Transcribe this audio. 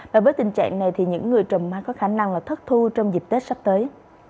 và với tình trạng này những người trồng mai có khả năng thất thu trong dịp tết sắp tới